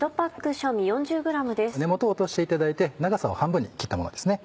根元を落としていただいて長さを半分に切ったものですね。